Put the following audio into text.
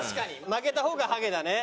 負けた方がハゲだね。